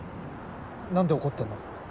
なんで怒ってんの？